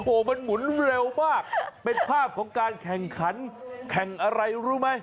โอ้โหมันหมุนเร็วมากเป็นภาพของการแข่งขันแข่งอะไรรู้ไหม